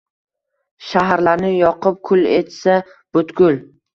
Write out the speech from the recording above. Shaharlarni yoqib, kul etsa butkul